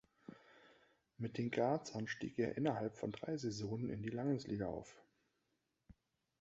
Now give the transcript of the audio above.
Mit den Grazern stieg er innerhalb von drei Saisonen in die Landesliga auf.